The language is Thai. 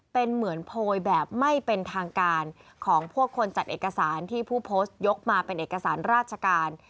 เป็นเหมือนโพยแบบไม่เป็นทางการของพวกคนจัดเอกสารที่ผู้โพสต์ยกมาเป็นเอกสารราชการ